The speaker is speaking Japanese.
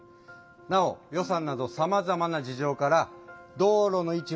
なお予算などさまざまな事情から道路の位置は変えられないそうです。